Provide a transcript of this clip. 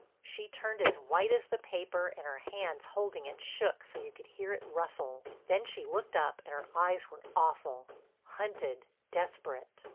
She turned as white as the paper and her hands holding it shook so you could hear it rustle. Then she looked up and her eyes were awful—hunted, desperate.